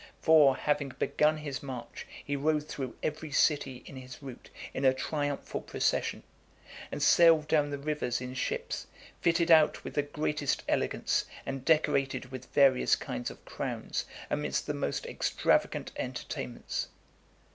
For, having begun his march, he rode through every city in his route in a triumphal procession; and sailed down the rivers in ships, fitted out with the greatest elegance, and decorated with various kinds of crowns, amidst the most extravagant entertainments.